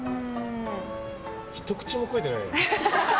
ひと口も食えてないよ。